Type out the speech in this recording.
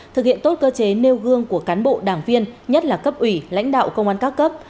thực hiện tốt cơ chế nêu gương của cán bộ đảng viên nhất là cấp ủy lãnh đạo công an các cấp